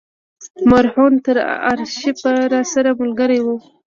مرهون تر آرشیفه راسره ملګری و.